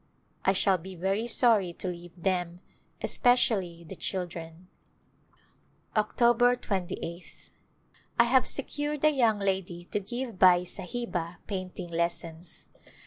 I shall be very sorry to leave them, especially the children. October 28th, I have secured a young lady to give Bai Sahiba painting lessons.